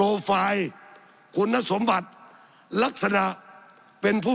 สับขาหลอกกันไปสับขาหลอกกันไป